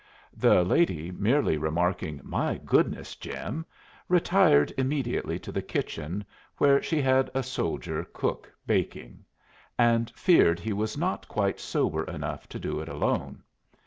The lady, merely remarking "My goodness, Jim," retired immediately to the kitchen, where she had a soldier cook baking, and feared he was not quite sober enough to do it alone.